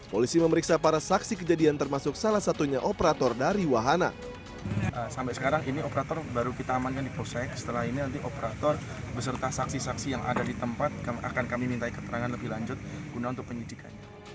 polisi memeriksa para saksi kejadian termasuk salah satunya operator dari wahana